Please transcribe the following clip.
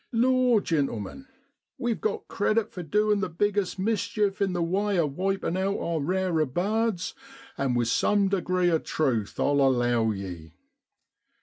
Law, gentlemen, we've got credit for doin' the biggest mischief in the way of wipin' out our rarer birds and with some degree of truth, I'll allow ye.